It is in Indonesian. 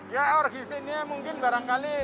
ya urgensinya mungkin barangkali